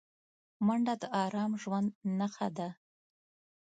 منډه د ارام ژوند نښه ده